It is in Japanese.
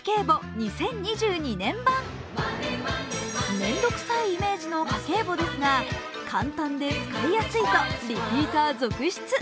めんどくさいイメージの家計簿ですが、簡単で使いやすいとリピーター続出。